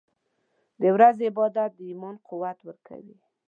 • د ورځې عبادت د ایمان قوت ورکوي.